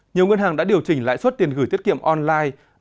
nhiều ngân hàng đã điều chỉnh lãi suất tiền gửi tiết kiệm online